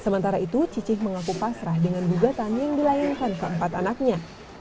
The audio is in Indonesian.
sementara itu cicih mengaku pasrah dengan gugatan yang dilayangkan keempat anaknya